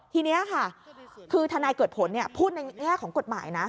ทีนี้ค่ะคือทนายเกิดผลพูดในแง่ของกฎหมายนะ